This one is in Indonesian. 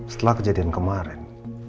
setelah kejadian kemarin